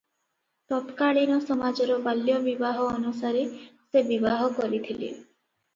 ତତ୍କାଳୀନ ସମାଜର ବାଲ୍ୟବିବାହ ଅନୁସାରେ ସେ ବିବାହ କରିଥିଲେ ।